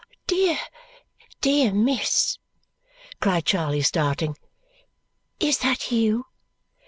"Dear, dear, miss!" cried Charley, starting. "Is that you?"